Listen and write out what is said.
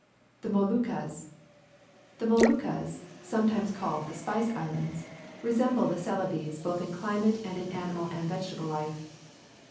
The Moluccas. — The Moluccas, sometimes called the Spice Islands, resemble Celebes both in climate and in animal and vegetable Hfe.